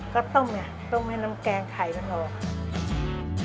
ก็ต้มไงต้มให้น้ำแกงไข่มันออก